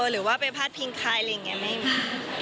หรือว่าไปพาดพิงใครอะไรอย่างนี้ไม่มี